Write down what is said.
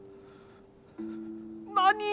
何！？